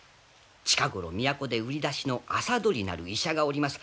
近頃都で売り出しの麻鳥なる医者がおります。